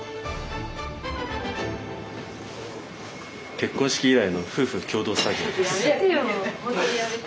結婚式以来の夫婦共同作業です。